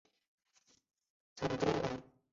长洲人。